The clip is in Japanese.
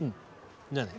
じゃあね。